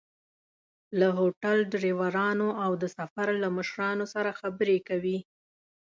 له هوټل، ډریورانو او د سفر له مشرانو سره خبرې کوي.